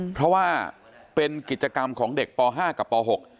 เพราะว่าเป็นกิจกรรมของเด็กป๕กับป๖